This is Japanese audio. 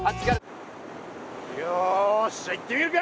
よしじゃあ行ってみるか！